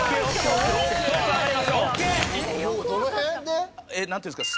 どの辺で？なんて言うんですか？